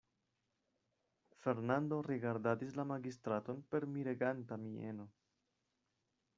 Fernando rigardadis la magistraton per mireganta mieno.